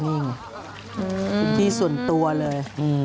สิ่งที่ส่วนตัวเลย